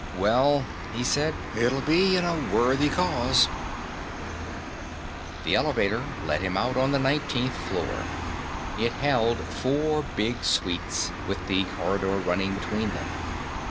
"Well," he said, "it'll be in a worthy cause." The elevator let him out on the nineteenth floor. It held four big suites, with the corridor running between them.